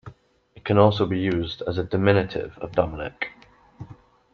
It can also be used as a diminutive of Dominic.